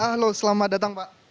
halo selamat datang pak